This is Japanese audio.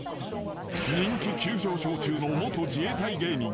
［人気急上昇中の元自衛隊芸人］